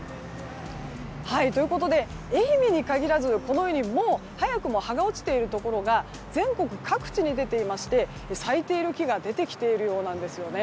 ということで愛媛に限らず早くも葉が落ちているところが全国各地に出ていまして咲いている木が出てきているようなんです。